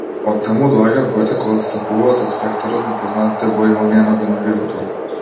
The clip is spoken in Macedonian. Оттаму доаѓаат боите кои отстапуваат од спектарот на познатите бои и оние на виножитото.